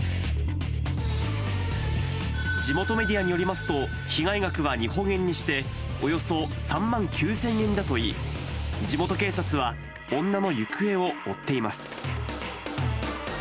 地元メディアによりますと、被害額は日本円にしておよそ３万９０００円だといい、地元警察は女の行方を追っています。